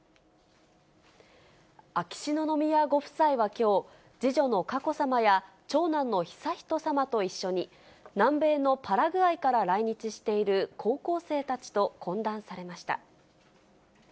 秋篠宮ご夫妻はきょう、次女の佳子さまや長男の悠仁さまと一緒に、南米のパラグアイから来日している高校生たちと懇談されました。